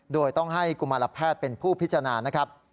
โดยต้องให้กุมารแพทย์เป็นผู้พิจารณานะครับ